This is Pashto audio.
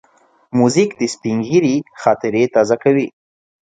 موزیک د سپینږیري خاطرې تازه کوي.